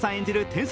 天才